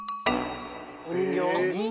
お人形？